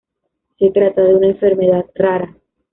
Se trata de una enfermedad rara.